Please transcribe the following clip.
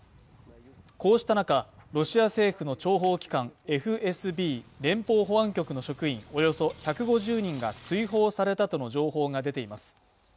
こうした中ロシア政府の諜報機関ＦＳＢ＝連邦保安局の職員およそ１５０人が追放されたとの情報が出ています